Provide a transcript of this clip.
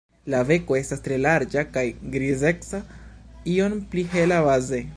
La beko estas tre larĝa kaj grizeca, iom pli hela baze.